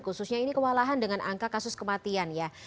khususnya ini kewalahan dengan angka kasus kematian ya